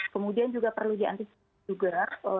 kemudian juga perlu diantisipasi juga